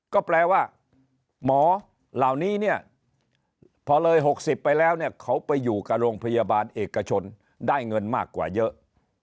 ก็แปลว่าหมอเหล่านี้เนี่ยพอเลย๖๐ไปแล้วเนี่ยเขาไปอยู่กับโรงพยาบาลเอกชนได้เงินมากกว่าเยอะ